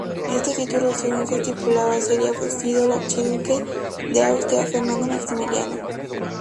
Este título, según se estipulaba, sería ofrecido al archiduque de Austria, Fernando Maximiliano.